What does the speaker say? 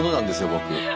僕。